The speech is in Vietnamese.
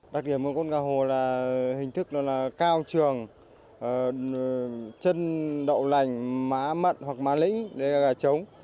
đặc điểm của con gà hồ là hình thức cao trường chân đậu lành má mận hoặc má lĩnh để gà trống